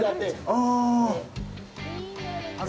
ああ。